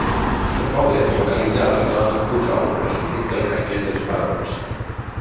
El poble es localitza al redós d'un pujol presidit pel castell dels barons.